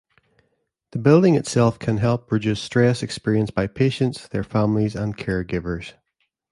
The building itself can help reduce stress experienced by patients, their families and caregivers.